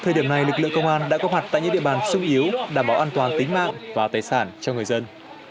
thời điểm này lực lượng công an đã có mặt tại những địa bàn sung yếu đảm bảo an toàn tính mạng và tài sản cho người dân